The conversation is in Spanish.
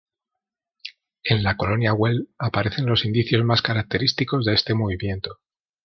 En la Colonia Güell aparecen los indicios más característicos de este movimiento.